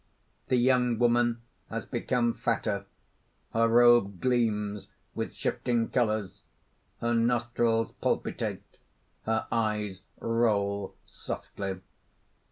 _ _The Young Woman has become fatter. Her robe gleams with shifting colours; her nostrils palpitate, her eyes roll softly.